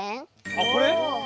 あっこれ？